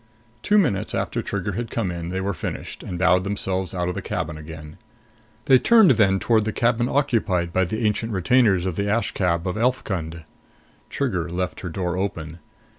Two minutes after Trigger had come in, they were finished and bowed themselves out of the cabin again. They turned then toward the cabin occupied by the ancient retainers of the Askab of Elfkund. Trigger left her door open.